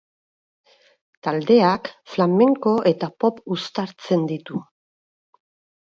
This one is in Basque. Taldeak flamenko eta pop uztartzen ditu.